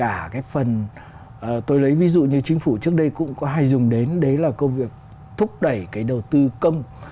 à cái phần tôi lấy ví dụ như chính phủ trước đây cũng có hay dùng đến đấy là công việc thúc đẩy cái đầu tư công